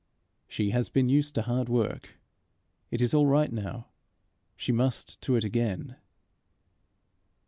She has been used to hard work. It is all right now; she must to it again.